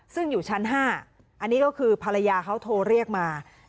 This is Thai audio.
ซึ่งอยู่ชั้น๕อันนี้ก็คือภรรยาเขาโทรเรียกมา